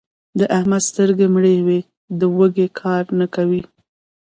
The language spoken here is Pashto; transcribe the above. د احمد سترګې مړې دي؛ د وږي کار نه کوي.